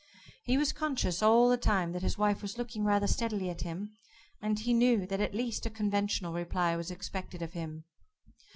He was conscious all the time that his wife was looking rather steadily at him, and he knew that at least a conventional reply was expected of him.